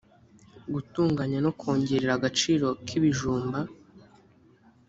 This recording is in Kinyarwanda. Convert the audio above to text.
gutunganya no kongerera agaciro kibijumba